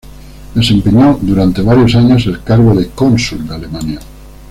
Desempeñó durante varios años el cargo de cónsul de Alemania.